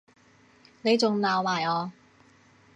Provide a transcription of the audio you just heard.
你仲鬧埋我